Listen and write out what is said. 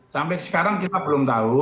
sampai sekarang kita belum tahu